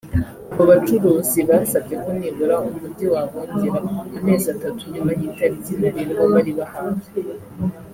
Abo bacuruzi basabye ko nibura umujyi wabongera amezi atatu nyuma y’itariki ntarengwa bari bahawe